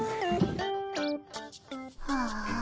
ああ。